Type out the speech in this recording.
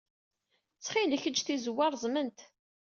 Ttxil-k, ejj tizewwa reẓment.